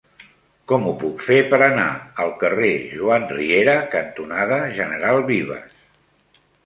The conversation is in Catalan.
Com ho puc fer per anar al carrer Joan Riera cantonada General Vives?